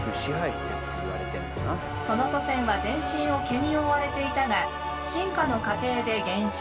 その祖先は全身を毛に覆われていたが進化の過程で減少。